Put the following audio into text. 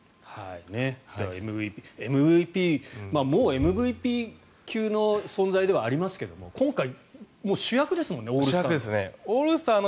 ＭＶＰ、もうＭＶＰ級の存在ではありますが今回、もう主役ですよねオールスターの。